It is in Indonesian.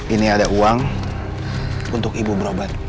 ini ada uang untuk ibu berobat